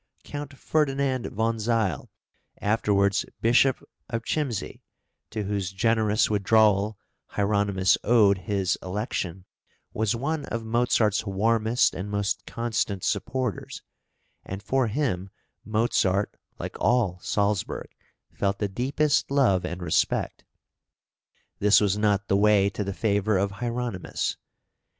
Count Ferdinand von Zeil, afterwards Bishop of Chiemsee, to whose generous withdrawal Hieronymus owed his election, was one of Mozart's warmest and most constant supporters, and for him Mozart, like all Salzburg, felt the deepest love and respect. This was not the way to the favour of Hieronymus.